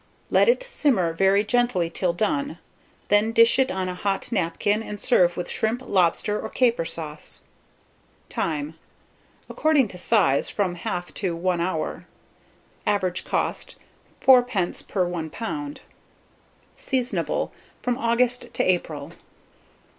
Let it simmer very gently till done; then dish it on a hot napkin, and serve with shrimp, lobster, or caper sauce. Time. According to size, from 1/2 to 1 hour. Average cost, 4d. per lb. Seasonable from August to April.